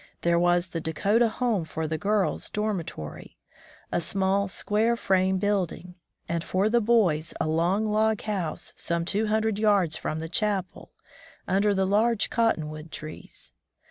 There was the Dakota Home for the girls' dormitory — a small, square frame building — and for the boys a long log house some two hundred yards from the chapel under the large cotton wood trees.